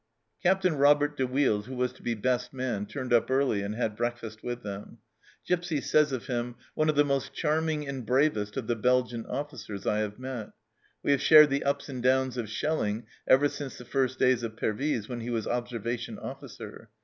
Captain Robert de Wilde, who was to be best man, turned up early and had breakfast with them. Gipsy says of him :" One of the most charming and bravest of the Belgian officers I have met. We have shared the ups and downs of shelling ever since the first days of Pervyse, when he was ob servation officer.